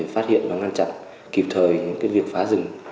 phát hiện và ngăn chặn kịp thời những việc phá rừng